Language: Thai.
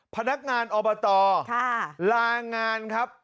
พนักงานอบตลางานครับ